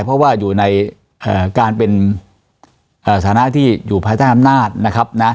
เพราะว่าอยู่ในการเป็นฐานะที่อยู่ภายใต้อำนาจนะครับนะ